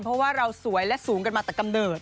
เพราะว่าเราสวยและสูงกันมาแต่กำเนิด